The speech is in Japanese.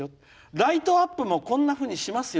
ライトアップもこんなふうにしますよ。